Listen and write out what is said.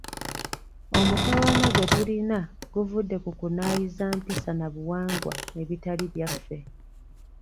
Omutawaana gwe tulina guvudde ku kunaayiza mpisa na buwangwa ebitali byaffe.